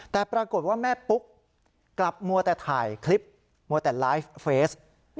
แต่ปรากฏว่าแม่ปุ๊กกลับมัวแต่ถ่ายคลิปมัวแต่ไลฟ์เฟส